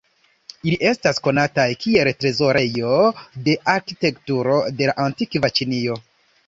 Ili estas konataj kiel trezorejo de arkitekturo de la antikva Ĉinio.